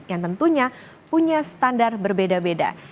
yang tentunya punya standar berbeda beda